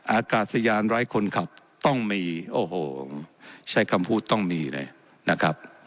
อากาศยานไร้คนขับต้องมีโอ้โหใช้คำพูดต้องมีเลยนะครับ